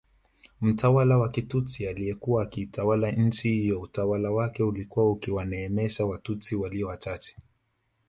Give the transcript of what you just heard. Mtawala wa Kitutsi aliyekuwa akiitawala nchi hiyo utawala wake ulikuwa ukiwaneemesha Watutsi walio wachache